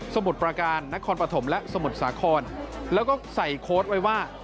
มุดประการนครปฐมและสมุทรสาครแล้วก็ใส่โค้ดไว้ว่า